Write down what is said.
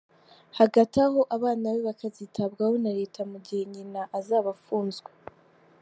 Hagati aho abana be bakazitabwaho na Leta mu gihe nyina azaba afunzwe.